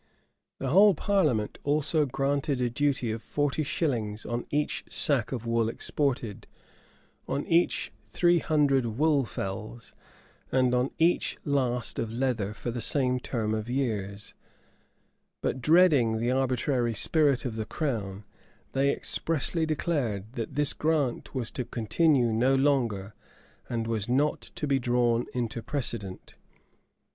The whole parliament also granted a duty of forty shillings on each sack of wool exported, on each three hundred woolfells, and on each last of leather for the same term of years, but dreading the arbitrary spirit of the crown, they expressly declared, that this grant was to continue no longer, and was not to be drawn into precedent.